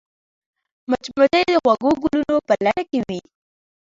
مچمچۍ د خوږو ګلونو په لټه کې وي